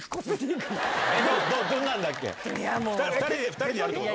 ２人でやるってこと？